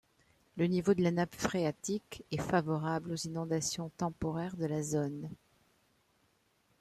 Le niveau de la nappe phréatique est favorable aux inondations temporaires de la zone.